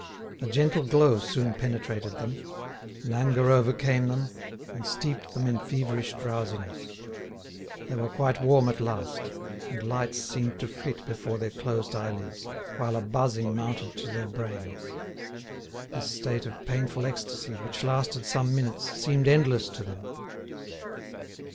A gentle glow soon penetrated them, languor overcame them, and steeped them in feverish drowsiness. They were quite warm at last, and lights seemed to flit before their closed eyelids, while a buzzing mounted to their brains. This state of painful ecstasy, which lasted some minutes, seemed endless to them.